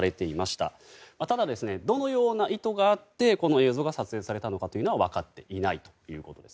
ただどのような意図があってこの映像が撮影されたのかというのは分かっていないということです。